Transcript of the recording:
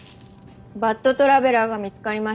バッドトラベラーが見つかりました。